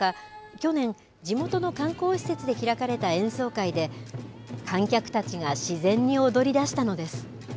去年、地元の観光施設で開かれた演奏会で観客たちが自然に踊り出したのです。